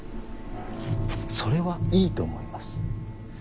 それはいいと思います。